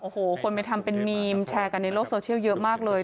โอ้โหคนไปทำเป็นมีมแชร์กันในโลกโซเชียลเยอะมากเลย